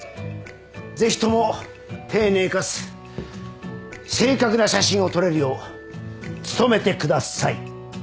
ぜひとも丁寧かつ正確な写真を撮れるよう努めてください。